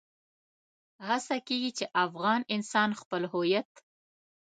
هڅه کېږي چې افغان انسان خپل هويت.